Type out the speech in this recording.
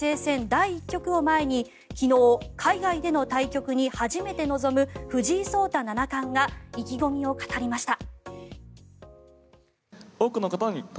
第１局を前に昨日、海外での対局に初めて臨む藤井聡太七冠が意気込みを語りました。